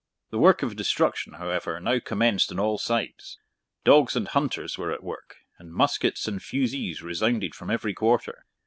The work of destruction, however, now commenced on all sides. Dogs and hunters were at work, and muskets and fusees resounded from every quarter.